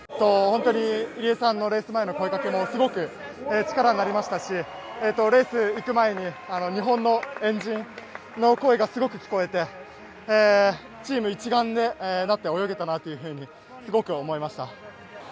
入江さんのレース前の声掛けもすごく力になりましたし、レース行く前に日本の円陣の声がすごく聞こえてチーム一丸で泳げたなと思いました。